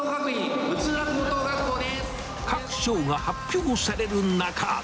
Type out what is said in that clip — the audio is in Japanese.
各賞が発表される中。